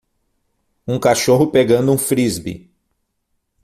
Um cachorro pegando um frisbee.